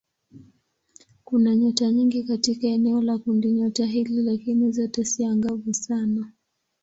Kuna nyota nyingi katika eneo la kundinyota hili lakini zote si angavu sana.